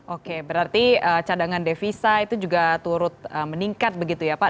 oke berarti cadangan devisa itu juga turut meningkat begitu ya pak